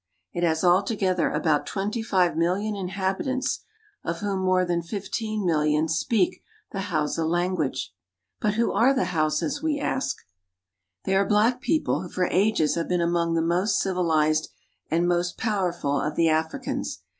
It has all together about twenty five million inhabitants, of whom more than fifteen millions speak the Hausa language. " But who are the Hausas ?'* we ask. They are black people who for ages have been among the most civilized and most powerful of the Africans.